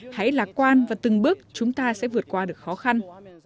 hãy lạc quan và từng bước chúng ta sẽ vượt qua được khó khăn